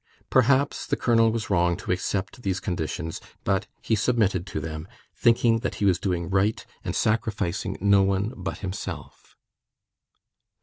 Perhaps the colonel was wrong to accept these conditions, but he submitted to them, thinking that he was doing right and sacrificing no one but himself.